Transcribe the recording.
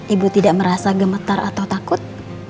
ibu tidak merasa gemetar atau takut